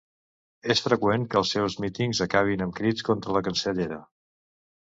És freqüent que els seus mítings acabin amb crits contra la cancellera.